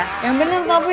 hai yang bener tapi capek